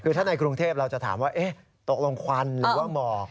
คือถ้าในกรุงเทพเราจะถามว่าตกลงควันหรือว่าหมอก